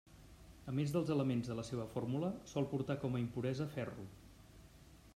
A més dels elements de la seva fórmula, sol portar com a impuresa ferro.